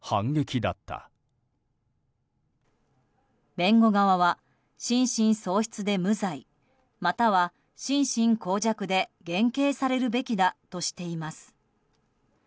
弁護側は心神喪失で無罪または心神耗弱で減刑されるべきだとしています。